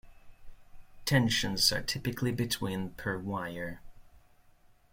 Tensions are typically between per wire.